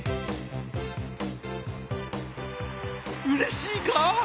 うれしいか？